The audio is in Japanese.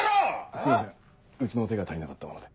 すいませんうちの手が足りなかったもので。